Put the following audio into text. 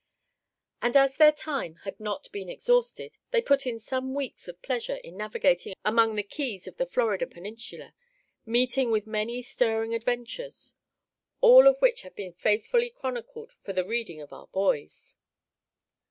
And as their time had not been exhausted, they put in some weeks of pleasure in navigating among the Keys of the Florida peninsula, meeting with many stirring adventures, all of which have been faithfully chronicled for the reading of our boys.